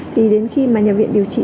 thì đến khi mà nhà viện điều trị